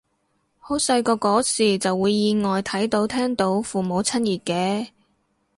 好細個嗰時就會意外睇到聽到父母親熱嘅